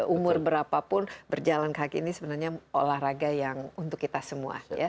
umur berapapun berjalan kaki ini sebenarnya olahraga yang untuk kita semua